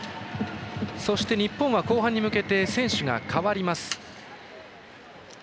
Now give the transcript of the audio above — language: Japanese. そして日本は後半に向けて選手が代わります。